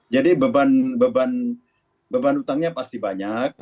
jadi beban beban utangnya pasti banyak